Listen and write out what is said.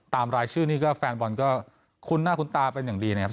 รายชื่อนี้ก็แฟนบอลก็คุ้นหน้าคุ้นตาเป็นอย่างดีนะครับ